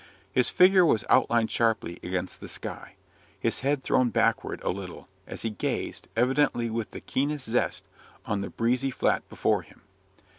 His figure was outlined sharply against the sky, his head thrown backward a little, as he gazed, evidently with the keenest zest, on the breezy flat before him.